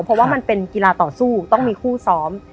เพราะว่ามันเป็นกีฬาต่อสู้ต้องมีคู่ซ้อม